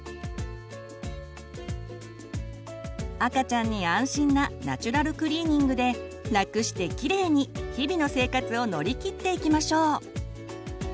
赤ちゃんに安心なナチュラルクリーニングでラクしてキレイに日々の生活を乗り切っていきましょう！